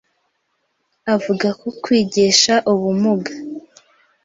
Avuga ko kwigisha ubumuga